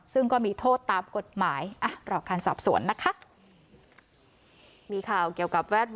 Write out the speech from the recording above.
ซึ่งก็มีโทษตามกฎหมาย